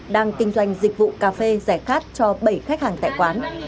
đề rẻ khát cho bảy khách hàng tại quán